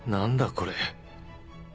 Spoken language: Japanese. これ。